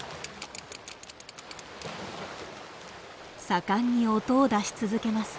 盛んに音を出し続けます。